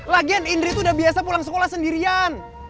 lagian indri itu udah biasa pulang sekolah sendirian